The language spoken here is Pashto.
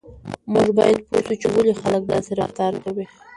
موږ باید پوه شو چې ولې خلک داسې رفتار کوي.